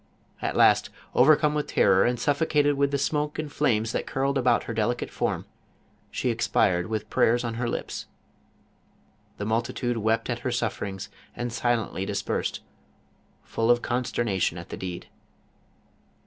At last, overcome with terror, and suffocated with the smoke and flames that curled about her delicate form, she ex pired with prayers on her lips. The multitude, wept at her sufferings, and silently dispersed, full of con sternation at the deed.